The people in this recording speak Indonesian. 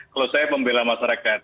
kalau saya pembela masyarakat